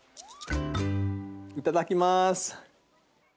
いただきます。